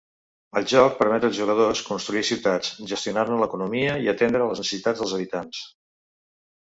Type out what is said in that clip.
El joc permet els jugadors construir ciutats, gestionar-ne l'economia i atendre les necessitats dels habitants.